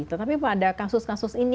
tetapi pada kasus kasus ini